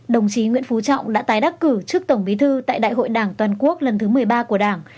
đồng chí nguyễn phú trọng đã tái đắc cử trước tổng bí thư tại đại hội đảng toàn quốc lần thứ một mươi ba của đảng